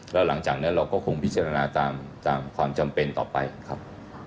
แล้วหลังจากนั้นเราก็คงพิจารณาตามความจำเป็นต่อไปครับ